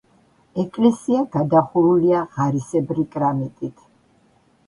ეკლესია გადახურულია ღარისებრი კრამიტით.